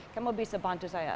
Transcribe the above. kamu bisa bantu saya